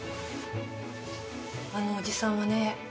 あのおじさんはね